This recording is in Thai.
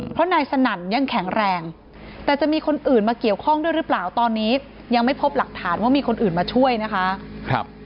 เพราะนายสนั่นยังแข็งแรงแต่จะมีคนอื่นมาเกี่ยวข้องด้วยหรือเปล่าตอนนี้ยังไม่พบหลักฐานว่ามีคนอื่นมาช่วยนะคะ